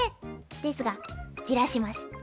ですが焦らします。